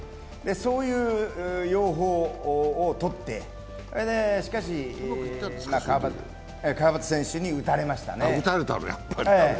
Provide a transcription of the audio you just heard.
そういう用法をとって、しかし川端選手に打たれましたね。